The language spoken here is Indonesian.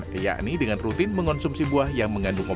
dikendalikan yakni dengan rutin mengonsumsi buah yang mengandungkan